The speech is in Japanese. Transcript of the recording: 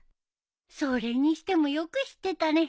それにしてもよく知ってたね